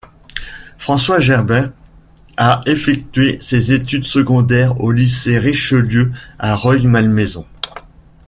François Gerber a effectué ses études secondaires au Lycée Richelieu à Rueil-Malmaison.